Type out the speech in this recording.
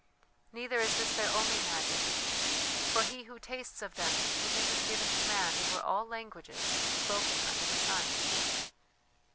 Neither is this their only magic; for he who tastes of them to him is given command over all languages spoken under the sun."